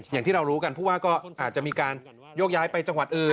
อย่างที่เรารู้กันผู้ว่าก็อาจจะมีการโยกย้ายไปจังหวัดอื่น